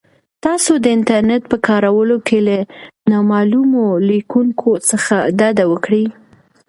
تاسو د انټرنیټ په کارولو کې له نامعلومو لینکونو څخه ډډه وکړئ.